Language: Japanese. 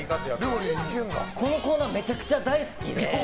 このコーナーめちゃくちゃ大好きで。